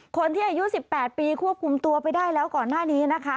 คนที่อายุ๑๘ปีควบคุมตัวไปได้แล้วก่อนหน้านี้นะคะ